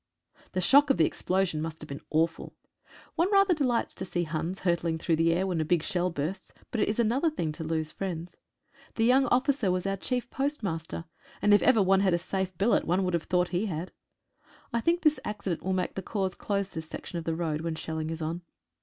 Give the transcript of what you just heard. The shock of the explosion must have been awful. One rather delights to see Huns hurtling through the air when a big shell bursts, but it is another thing to lose friends. The young officer was our chief postmaster, and if ever one had a safe billet one would have thought he had. I think this accident will make the corps close this section of the road when shelling is on.